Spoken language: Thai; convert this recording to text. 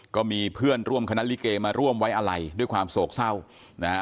ก็มีเพื่อนร่วมคณะลิเกมาร่วมไว้อะไรด้วยความโศกเศร้านะฮะ